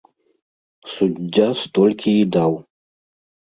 Суддзя столькі і даў.